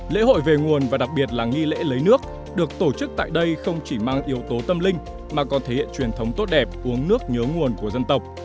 lễ hội về nguồn và đặc biệt là nghi lễ lấy nước được tổ chức tại đây không chỉ mang yếu tố tâm linh mà còn thể hiện truyền thống tốt đẹp uống nước nhớ nguồn của dân tộc